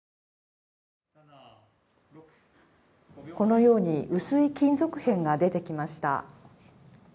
このように薄い金属片が出てきました。